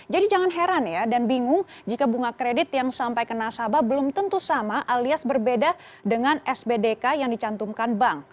jadi jangan heran dan bingung jika bunga kredit yang sampai ke nasabah belum tentu sama alias berbeda dengan sbdk yang dicantumkan bank